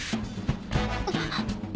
あっ。